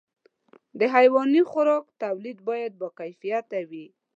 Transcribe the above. د حيواني خوراک توليد باید باکیفیته وي.